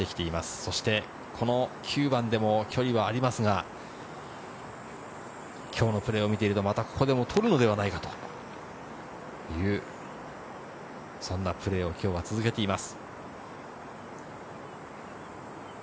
そして、この９番でも距離はありますが、今日のプレーを見ていると、またここでも取るのではないかというそんなプレーを今日は続けています。